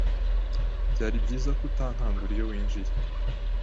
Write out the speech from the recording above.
Byari byiza ko utankangura iyo winjiye.